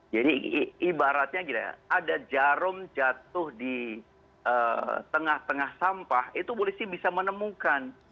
jadi ibaratnya gila ya ada jarum jatuh di tengah tengah sampah itu polisi bisa menemukan